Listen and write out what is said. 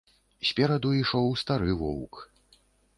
Спераду ішоў стары воўк.